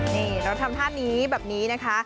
นี่เราทำท่านี้แบบนี้นะคะ